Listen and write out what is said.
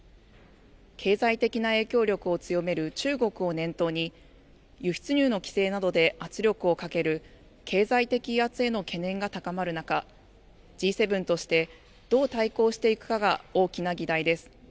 経済的な影響力を強める中国を念頭に輸出入の規制などで圧力をかける経済的威圧への懸念が高まる中、Ｇ７としてどう対抗していくかが大きな議題です。